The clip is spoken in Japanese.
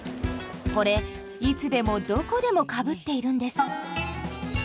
これいつでもどこでもかぶっているんです。